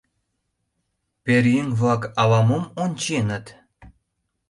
Пӧръеҥ-влак ала-мом онченыт.